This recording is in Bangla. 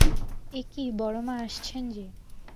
একি, বড়ো মা আসছেন যে!